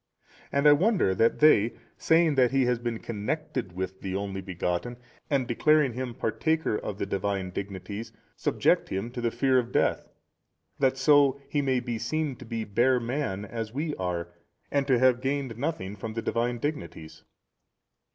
And I wonder that they, saying that he has been connected with the Only Begotten, and declaring him partaker of the Divine dignities, subject him to the fear of death, that so he may be seen to be bare man as we are and to have gained nothing from the Divine Dignities.